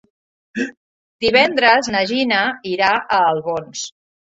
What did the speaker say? Divendres na Gina irà a Albons.